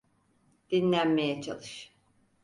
Dinlenmeye çalış.